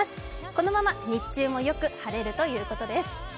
このまま日中もよく晴れるということです。